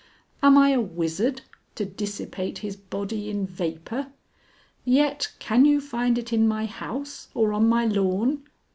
Am I a wizard to dissipate his body in vapor? Yet can you find it in my house or on my lawn?